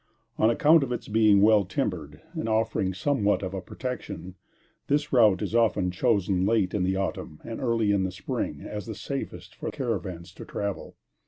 On account of its being well timbered, and offering somewhat of a protection, this route is often chosen late in the autumn and early in the spring, as the safest for caravans to travel.